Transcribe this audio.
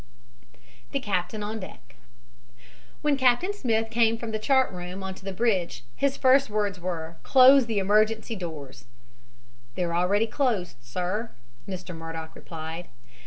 THE CAPTAIN ON DECK When Captain Smith came from the chart room onto the bridge, his first words were, "Close the emergency doors." "They're already closed, sir," Mr. Murdock replied.